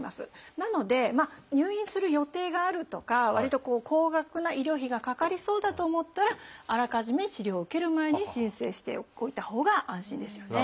なので入院する予定があるとかわりと高額な医療費がかかりそうだと思ったらあらかじめ治療を受ける前に申請しておいたほうが安心ですよね。